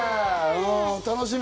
楽しみ